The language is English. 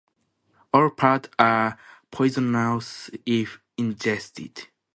All parts are poisonous if ingested.